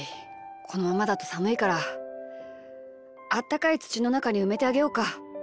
このままだとさむいからあったかいつちのなかにうめてあげようか。